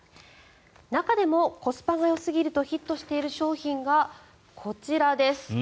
中でも、コスパがよすぎるとヒットしている商品がこちらです。